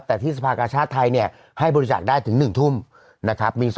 แต่ที่สภากชาติไทยเนี่ยให้บริจาคได้ถึง๑ทุ่มนะครับ